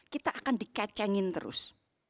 kita akan dikecengin terus